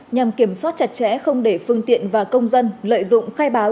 nhằm kiểm soát chặt chẽ không để phương tiện và công dân lợi dụng khai báo